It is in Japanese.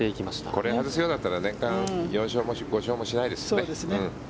これを外すようだったら年間４勝も５勝もしないですよね。